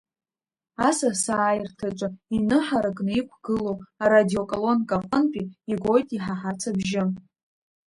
Асасааирҭаҿы иныҳаракны иқәгылоу арадиоколонка аҟынтәи игоит иҳаҳац абжьы.